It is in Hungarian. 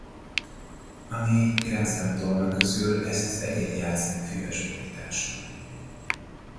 A négy Grand Slam-torna közül ezt az egyet játsszák füves borításon.